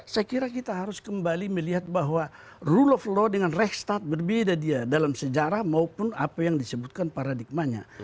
saya kira kita harus kembali melihat bahwa rule of law dengan reksad berbeda dia dalam sejarah maupun apa yang disebutkan paradigmanya